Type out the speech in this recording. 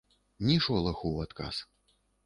Ні шолаху ў адказ.